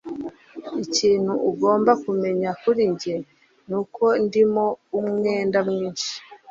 Ikintu ugomba kumenya kuri njye nuko ndimo umwenda mwinshi.